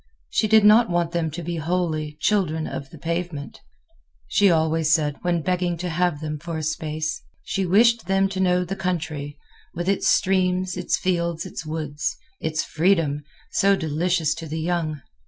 She did not want them to be wholly "children of the pavement," she always said when begging to have them for a space. She wished them to know the country, with its streams, its fields, its woods, its freedom, so delicious to the young.